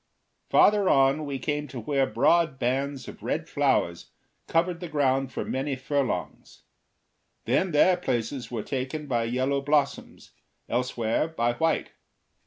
Farther on we came to where broad bands of red flowers covered the ground for many furlongs; then their places were taken by yellow blossoms, elsewhere by white.